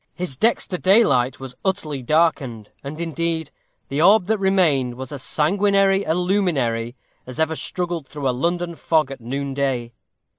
His dexter daylight was utterly darkened, and, indeed, the orb that remained was as sanguinary a luminary as ever struggled through a London fog at noonday.